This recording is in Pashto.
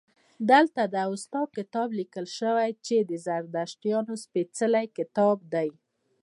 دلته د اوستا کتاب لیکل شوی چې د زردشتیانو سپیڅلی کتاب دی